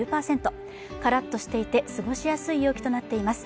カラッとしていて過ごしやすい陽気となっています